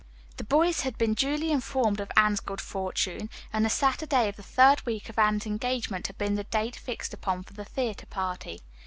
The boys had been duly informed of Anne's good fortune, and the Saturday of the third week of Anne's engagement had been the date fixed upon for the theatre party.